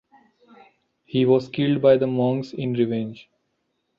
He was killed by the monks in revenge.